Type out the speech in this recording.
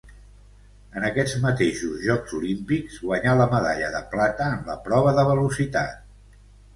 En aquests mateixos Jocs Olímpics guanyà la medalla de plata en la prova de velocitat.